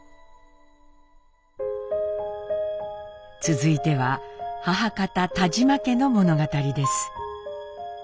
続いては母方田嶋家の物語です。